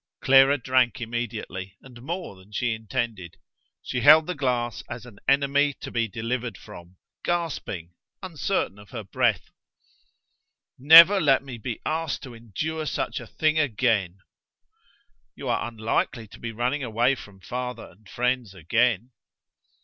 Clara drank immediately, and more than she intended. She held the glass as an enemy to be delivered from, gasping, uncertain of her breath. "Never let me be asked to endure such a thing again!" "You are unlikely to be running away from father and friends again."